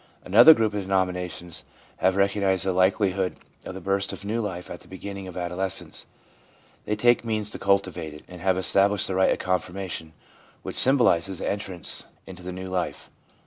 Another group of denominations have recognised the likelihood of the burst of new life at the beginning of adolescence ; they take means to cultivate it, and have established the rite of confirmation, which symbolises the entrance into the new life.